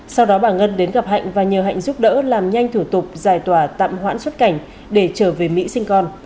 sau đó bà ngân đến gặp hạnh và nhờ hạnh giúp đỡ làm nhanh thủ tục giải tòa tạm hoãn xuất cảnh để trở về mỹ sinh con